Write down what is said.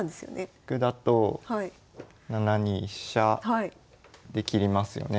角だと７二飛車で切りますよね。